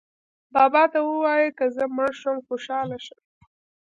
بابا ته ووایئ که زه مړه شوم خوشاله شه.